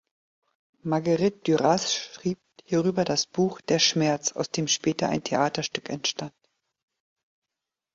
Marguerite Duras schrieb hierüber das Buch "Der Schmerz", aus dem später ein Theaterstück entstand.